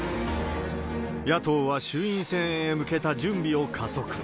野党は衆院選へ向けた準備を加速。